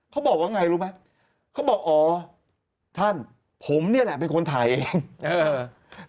เขาบอกว่าไงรู้ไหมเขาบอกอ๋อท่านผมเนี่ยแหละเป็นคนถ่ายเองเออ